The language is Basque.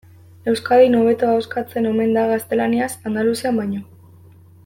Euskadin hobeto ahoskatzen omen da gaztelaniaz Andaluzian baino.